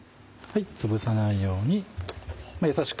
つぶさないように優しく。